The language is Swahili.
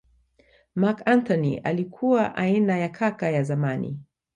Marc Antony alikuwa aina ya kaka ya zamani